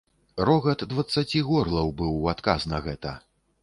Рогат дваццаці горлаў быў у адказ на гэта.